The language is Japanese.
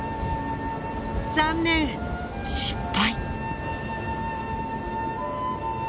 残念失敗。